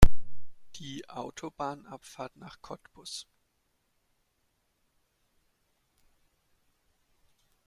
Die Autobahnabfahrt nach Cottbus